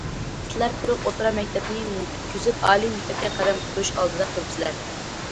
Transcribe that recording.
سىلەر تولۇق ئوتتۇرا مەكتەپنى پۈتكۈزۈپ، ئالىي مەكتەپكە قەدەم قويۇش ئالدىدا تۇرۇپسىلەر.